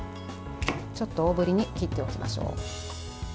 ちょっと大ぶりに切っておきましょう。